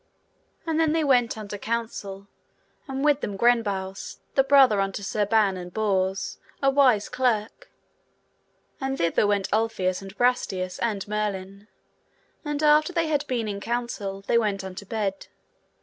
And then they went unto council, and with them Gwenbaus, the brother unto Sir Ban and Bors, a wise clerk, and thither went Ulfius and Brastias, and Merlin. And after they had been in council, they went unto bed.